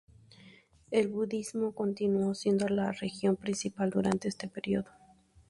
El budismo continuó siendo la religión principal durante este período.